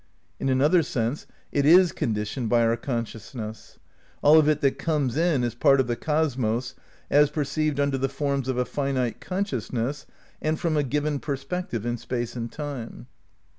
In another sense it is conditioned' by our consciousness. All of it that '' comes in " is part of the cosmos as perceived under the forms of a finite consciousness and from a given perspective in space and time.